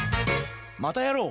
「またやろう」